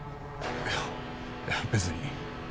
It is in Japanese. いやいや別に。